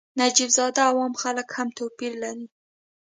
نجیب زاده او عام خلک هم توپیر لري.